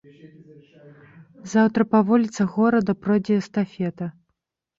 Заўтра па вуліцах горада пройдзе эстафета.